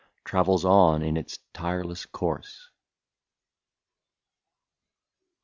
Travels on in its tireless course